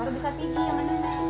kalau bisa pilih yang mana